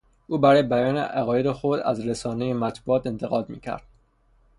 او برای بیان عقاید خود از رسانهی مطبوعات انتقاد میکرد.